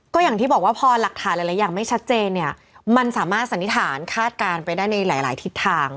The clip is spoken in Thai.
ก็อย่างที่บอกว่าพอหลักฐานหลายอย่างไม่ชัดเจนเนี่ยมันสามารถสันนิษฐานคาดการณ์ไปได้ในหลายทิศทาง